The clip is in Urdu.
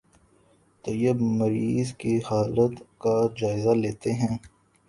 طبیب مریض کی حالت کا جائزہ لیتے ہیں